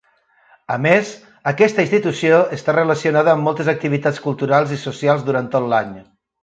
A més, aquesta institució està relacionada amb moltes activitats culturals i socials durant tot l'any.